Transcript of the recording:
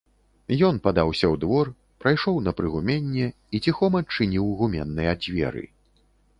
Ён падаўся ў двор, прайшоў на прыгуменне і ціхом адчыніў гуменныя дзверы.